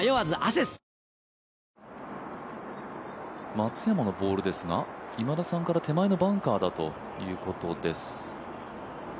松山のボールですが今田さんから手前のバンカーだということです。